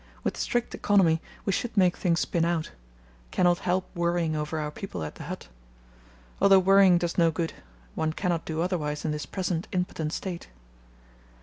With strict economy we should make things spin out; cannot help worrying over our people at the hut. Although worrying does no good, one cannot do otherwise in this present impotent state.